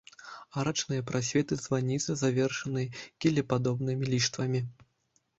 Арачныя прасветы званіцы завершаны кілепадобнымі ліштвамі.